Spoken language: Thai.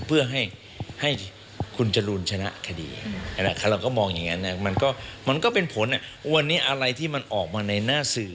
เพื่อให้คุณจรูนชนะคดีเราก็มองอย่างนั้นนะมันก็เป็นผลวันนี้อะไรที่มันออกมาในหน้าสื่อ